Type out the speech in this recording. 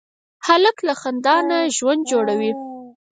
هلک له خندا نه ژوند جوړوي.